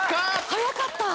早かった！